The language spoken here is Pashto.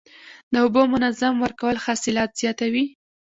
د اوبو منظم ورکول حاصلات زیاتوي.